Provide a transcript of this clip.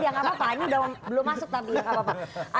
tidak apa apa ini belum masuk tapi tidak apa apa